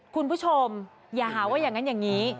คุณผู้ชมอย่าหาว่าอย่างนั้นอย่างนี้